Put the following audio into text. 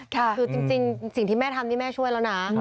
คือจริงสิ่งที่แม่ทำนี่แม่ช่วยแล้วนะ